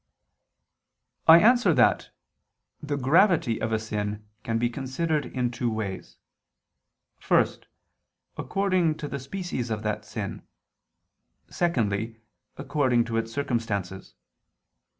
I answer that, The gravity of a sin can be considered in two ways: first, according to the species of that sin, secondly, according to its circumstances.